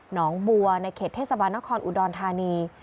น้องบัวในเขตเทศบาลนครอุดรธานี